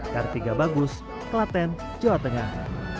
kartiga bagus klaten jawa tengah